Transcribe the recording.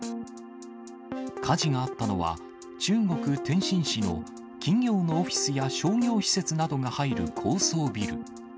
火事があったのは、中国・天津市の企業のオフィスや商業施設などが入る高層ビル。